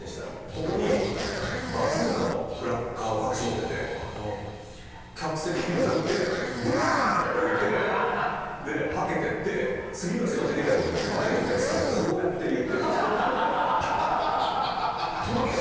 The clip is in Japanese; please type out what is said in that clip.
ここにバズーカのクラッカーを隠し持ってて客席に向かって「バーン！」って撃ってではけてって次の人が出てきた時に前のお客さんがこうやっているっていう。